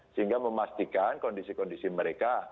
sehingga memastikan kondisi kondisi mereka